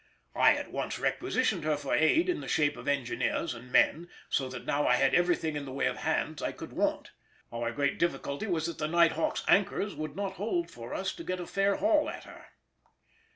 I at once requisitioned her for aid in the shape of engineers and men, so that now I had everything in the way of hands I could want. Our great difficulty was that the Night Hawk's anchors would not hold for us to get a fair haul at her.